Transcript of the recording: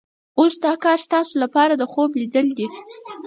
اوس دا کار ستاسو لپاره د خوب لیدل دي.